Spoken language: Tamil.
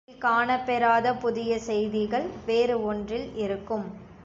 ஒன்றில் காணப்பெறாத புதிய செய்திகள் வேறு ஒன்றில் இருக்கும்.